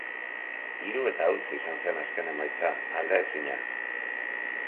Hiru eta huts izan zen azken emaitza, aldaezina.